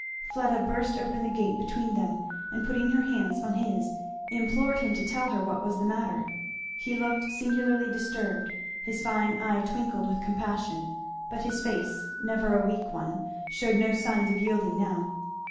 Fleda burst open the gate between them and putting her hands on his implored him to tell her what was the matter. He looked singularly disturbed; his fine eye twinkled with compassion; but his face, never a weak one, shewed no signs of yielding now.